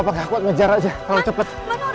pak aku ngejar aja kalau cepet